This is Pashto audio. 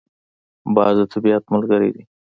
باز د طبیعت ملګری دی